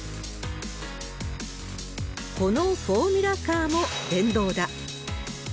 このフォーミュラカーも電動だ。